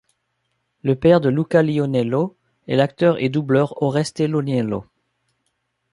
Le père de Luca Lionello est l'acteur et doubleur Oreste Lionello.